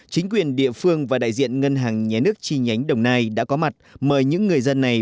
chính quyền địa phương và đại diện ngân hàng nhé nước chi nhánh đồng nai đã có mặt mời những người dân này